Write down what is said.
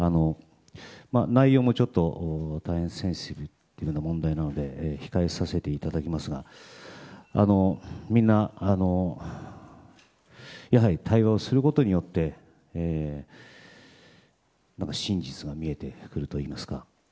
内容も、ちょっと大変センシティブな問題なので控えさせていただきますがみんなやはり対話をすることによって真実が見えてくるといいますか。